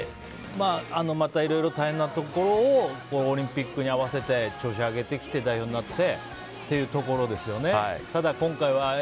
またいろいろ大変なところをオリンピックに合わせて調子を上げてきて代表になってというところですよね。